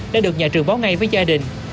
đã được nhà trường báo ngay với gia đình